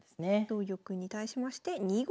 同玉に対しまして２五桂。